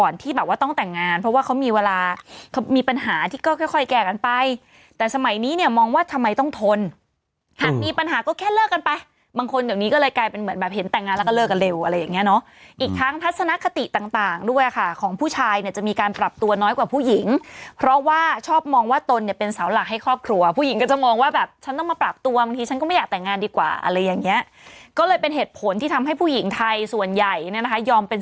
แล้วก็เลิกกันเร็วอะไรอย่างเงี้ยเนาะอีกทางพัฒนคติต่างด้วยค่ะของผู้ชายเนี่ยจะมีการปรับตัวน้อยกว่าผู้หญิงเพราะว่าชอบมองว่าตนเนี่ยเป็นเสาหลักให้ครอบครัวผู้หญิงก็จะมองว่าแบบฉันต้องมาปรับตัวบางทีฉันก็ไม่อยากแต่งงานดีกว่าอะไรอย่างเงี้ยก็เลยเป็นเหตุผลที่ทำให้ผู้หญิงไทยส่วนใหญ่นะคะยอมเป